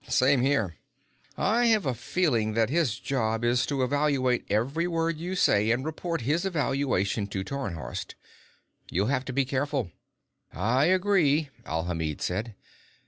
"Same here. I have a feeling that his job is to evaluate every word you say and report his evaluation to Tarnhorst. You'll have to be careful." "I agree," Alhamid said.